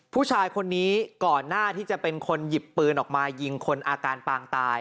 ผู้ชายคนนี้ก่อนหน้าที่จะเป็นคนหยิบปืนออกมายิงคนอาการปางตาย